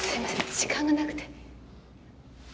時間がなくて。